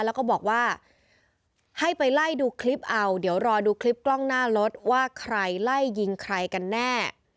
แล้วก็บอกว่าให้ไปไล่ดูคลิปเอาเดี๋ยวรอดูคลิปกล้องหน้ารถว่าใครไล่ยิงใครกันแน่